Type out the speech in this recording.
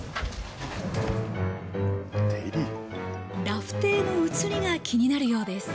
ラフテーの映りが気になるようです。